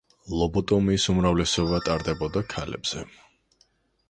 ლობოტომიის უმრავლესობა ტარდებოდა ქალებზე.